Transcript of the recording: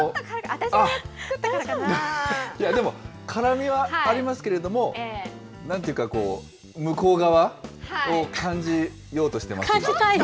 私が作っいや、でも、辛みはありますけれども、なんていうかこう、向こう側を感じようとしています、感じたい？